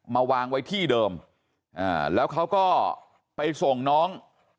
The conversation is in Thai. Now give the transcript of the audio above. มาวางไว้ที่เดิมแล้วเขาก็ไปส่งน้อง